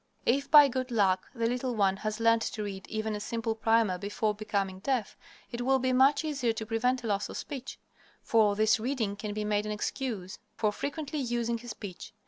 If, by good luck, the little one has learned to read even a simple primer before becoming deaf, it will be much easier to prevent a loss of speech. For this reading can be made an excuse for frequently using his speech.